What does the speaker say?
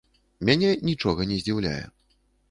Мяне нічога не здзіўляе.